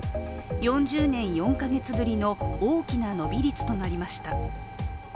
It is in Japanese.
４０年４か月ぶりの、大きな伸び率となりました